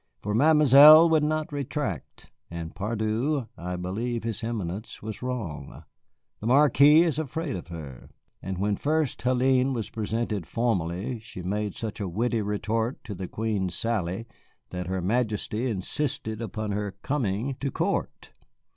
For Mademoiselle would not retract, and, pardieu, I believe his Eminence was wrong. The Marquise is afraid of her. And when first Hélène was presented formally she made such a witty retort to the Queen's sally that her Majesty insisted upon her coming to court.